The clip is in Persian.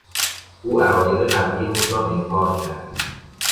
او عقاید قبلی خود را انکار کرد.